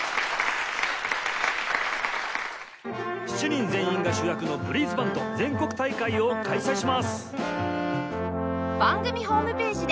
７人全員が主役のブリーズバンド全国大会を開催します！